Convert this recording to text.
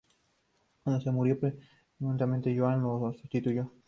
Cuando este murió prematuramente Joan lo sustituyó.